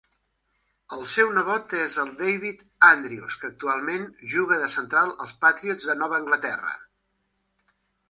El seu nebot és el David Andrews, que actualment juga de central als Patriots de Nova Anglaterra.